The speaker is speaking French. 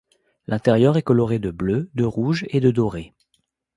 L'intérieur est coloré de bleu, de rouge et de doré.